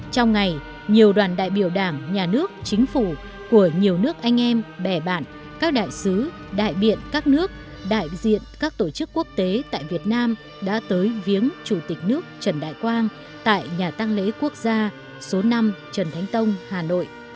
trong ngày nhiều đoàn đại biểu đảng nhà nước chính phủ của nhiều nước anh em bè bạn các đại sứ đại biện các nước đại diện các tổ chức quốc tế tại việt nam đã tới viếng chủ tịch nước trần đại quang tại nhà tăng lễ quốc gia số năm trần thánh tông hà nội